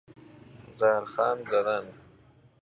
زهرخند زدن